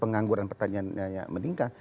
pengangguran pertaniannya meningkat